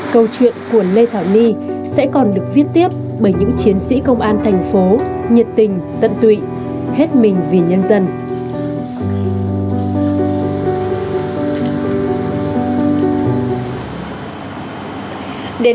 câu chuyện của lê khả ly sẽ còn được viết tiếp bởi những chiến sĩ công an thành phố nhiệt tình tận tụy hết mình vì nhân dân